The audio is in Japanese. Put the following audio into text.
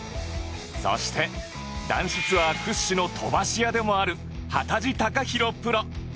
そして男子ツアー屈指の飛ばし屋でもある幡地隆寛プロ